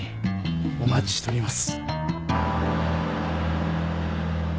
お待ちしております。